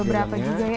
ada beberapa juga ya